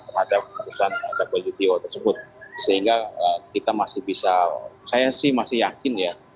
terhadap keputusan wto tersebut sehingga kita masih bisa saya sih masih yakin ya